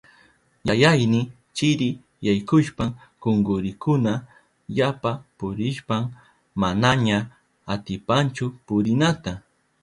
Yayayni chiri yaykushpan kunkurinkuna yapa punkishpan manaña atipanchu purinata.